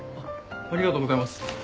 ありがとうございます。